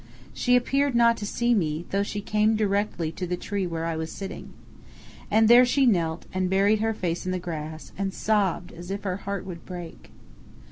She appeared not to see me, though she came directly to the tree where I was sitting. And there she knelt and buried her face in the grass and sobbed as if her heart would break.